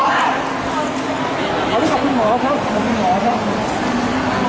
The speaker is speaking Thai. ขอบคุณหมอครับขอบคุณหมอครับ